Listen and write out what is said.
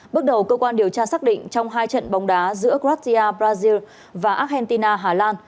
bước đầu cơ quan điều tra xác định trong hai trận bóng đá giữa gratia brazil và argentina hà lan